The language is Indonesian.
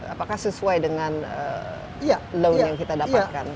apakah sesuai dengan loan yang kita dapatkan